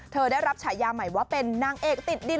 ได้รับฉายาใหม่ว่าเป็นนางเอกติดดิน